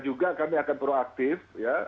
juga kami akan proaktif